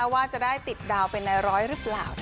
ว่าจะได้ติดดาวเป็นในร้อยหรือเปล่า